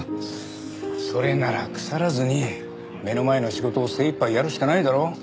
それなら腐らずに目の前の仕事を精いっぱいやるしかないだろ。